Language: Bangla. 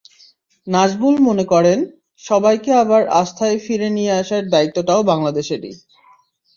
নাজমুল মনে করেন, সবাইকে আবার আস্থায় ফিরে নিয়ে আসার দায়িত্বটাও বাংলাদেশরই।